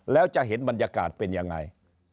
แล้วจะเห็นบรรยากาศเป็นยังไง